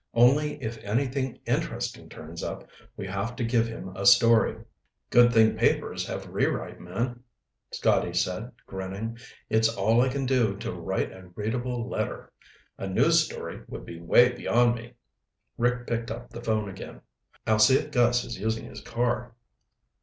Only if anything interesting turns up, we have to give him a story." "Good thing papers have rewrite men," Scotty said, grinning. "It's all I can do to write a readable letter. A news story would be way beyond me." Rick picked up the phone again. "I'll see if Gus is using his car."